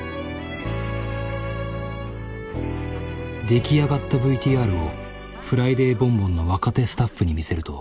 出来上がったＶＴＲを「フライデーボンボン」の若手スタッフに見せると。